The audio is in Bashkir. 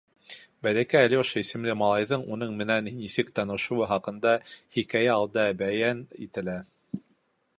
Бәләкәй Алёша исемле малайҙың уның менән нисек танышыуы хаҡында хикәйә алда бәйән ителә.